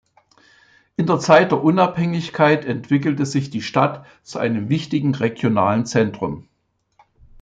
In der Zeit der Unabhängigkeit entwickelte sich die Stadt zu einem wichtigen regionalen Zentrum.